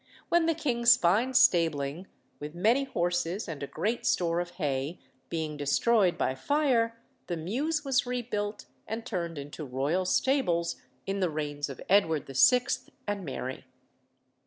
when the king's fine stabling, with many horses and a great store of hay, being destroyed by fire, the Mews was rebuilt and turned into royal stables, in the reigns of Edward VI. and Mary.